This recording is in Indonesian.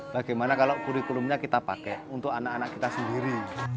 bagaimana kalau kurikulumnya kita pakai untuk anak anak kita sendiri